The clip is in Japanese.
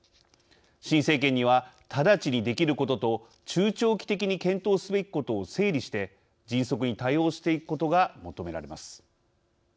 新政権には、直ちにできることと中長期的に検討すべきことを整理して迅速に対応していくことが求められます。